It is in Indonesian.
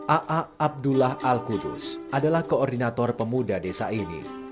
aa abdullah al kudus adalah koordinator pemuda desa ini